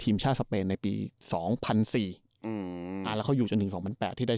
ทีมชาติสเปนในปีสองพันสี่อืมอ่าแล้วเขาอยู่จนถึงสองพันแปดที่ได้